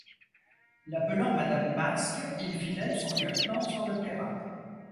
L'appelant Madame Masque, il fit d'elle son lieutenant sur le terrain.